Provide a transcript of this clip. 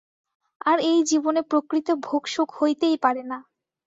আর এই জীবনে প্রকৃত ভোগসুখ হইতেই পারে না।